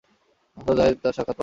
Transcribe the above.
তবে হযরত যায়েদ তাঁর সাক্ষাৎ পাননি।